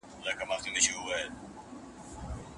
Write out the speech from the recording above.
د حمل پر وخت ئې هم له عزل څخه منع فرمايلې ده.